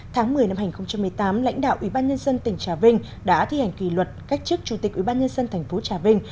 tháng một mươi năm hai nghìn một mươi tám lãnh đạo ubnd tp trà vinh đã thi hành kỳ luật cách chức chủ tịch ubnd tp trà vinh